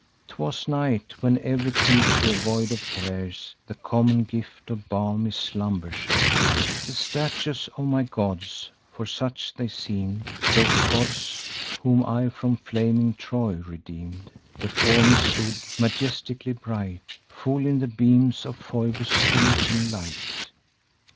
"'Twas night, when ev'ry creature, void of cares, The common gift of balmy slumber shares: The statues of my gods (for such they seem'd), Those gods whom I from flaming Troy redeem'd, Before me stood, majestically bright, Full in the beams of Phoebe's ent'ring light.